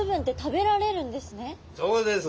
そうです。